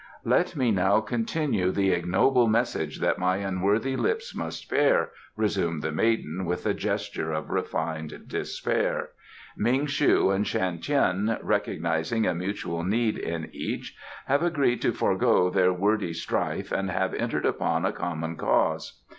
"Let me now continue the ignoble message that my unworthy lips must bear," resumed the maiden, with a gesture of refined despair. "Ming shu and Shan Tien, recognizing a mutual need in each, have agreed to forego their wordy strife and have entered upon a common cause.